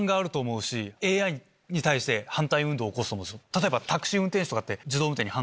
例えば。